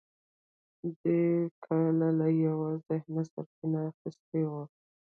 دې کار له یوه ذهنه سرچینه اخیستې وه